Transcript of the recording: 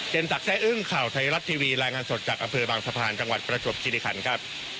สักแร่อึ้งข่าวไทยรัฐทีวีรายงานสดจากอำเภอบางสะพานจังหวัดประจวบคิริคันครับ